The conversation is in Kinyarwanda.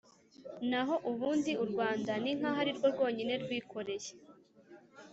Naho ubundi u Rwanda ni nkaho ari rwo rwonyine rwikoreye